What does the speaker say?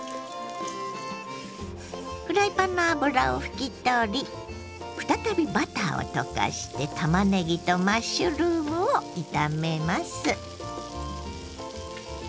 フライパンの油を拭き取り再びバターを溶かしてたまねぎとマッシュルームを炒めます。